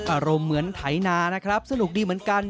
อารมณ์เหมือนไถนานะครับสนุกดีเหมือนกัน